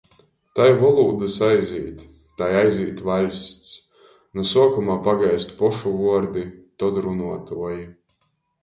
Tai volūdys aizīt, tai aizīt vaļsts. Nu suokuma pagaist pošu vuordi, tod runuotuoji.